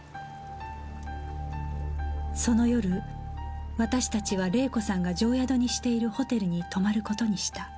その夜私たちは礼子さんが定宿にしているホテルに泊まる事にした